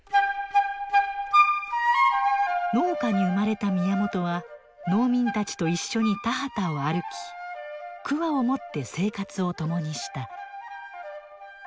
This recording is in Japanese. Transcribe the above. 農家に生まれた宮本は農民たちと一緒に田畑を歩きくわを持って生活を共にした。